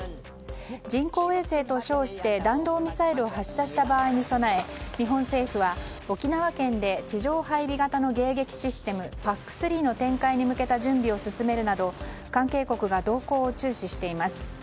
人工衛星と称して弾道ミサイルを発射した場合に備え日本政府は、沖縄県で地上配備型の迎撃システムＰＡＣ３の展開に向けた準備を進めるなど関係国が動向を注視しています。